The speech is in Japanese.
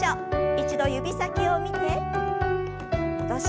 一度指先を見て戻します。